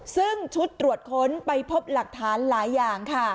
ซึ่งชุดตรวจค้นไปพบหลักฐานหลายอย่างค่ะ